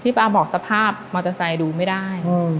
ป้าบอกสภาพมอเตอร์ไซค์ดูไม่ได้